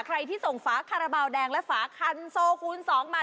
ใครที่ส่งฝาคาราบาลแดงและฝาคันโซคูณ๒มา